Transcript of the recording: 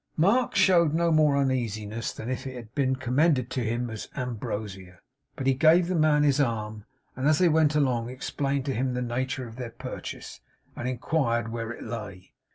Mark showed no more uneasiness than if it had been commended to him as ambrosia; but he gave the man his arm, and as they went along explained to him the nature of their purchase, and inquired where it lay.